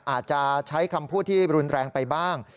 อาจจะใช้คำพูดที่รุนแรงไปบ้าง